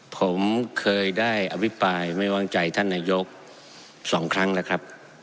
ผมเคยได้อภิปรายไม่วางใจท่านนายก๒ครั้งแล้วครับ